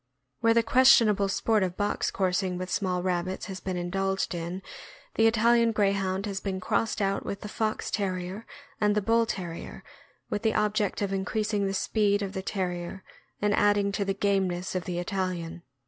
Where the questionable sport of box coursing with small rabbits has been indulged in, the Italian Greyhound has been crossed out with the Fox Terrier and the Bull Terrier, with the object of increasing the speed of the Ter rier and adding to the gameness of the Italian.